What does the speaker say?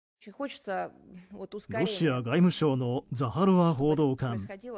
ロシア外務省のザハロワ報道官。